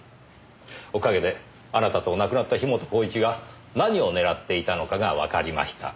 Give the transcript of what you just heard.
おかげであなたと亡くなった樋本晃一が何を狙っていたのかがわかりました。